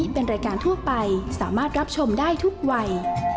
เล่มบ้านประจันบรรย์